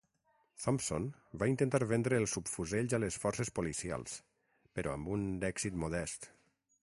Thompson va intentar vendre els subfusells a les forces policials, però amb un èxit modest.